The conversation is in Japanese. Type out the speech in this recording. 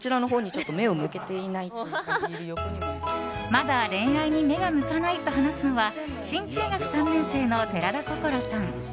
まだ恋愛に目が向かないと話すのは新中学３年生の寺田心さん。